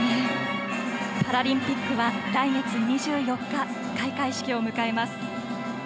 パラリンピックは来月２４日、開会式を迎えます。